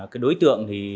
cái đối tượng thì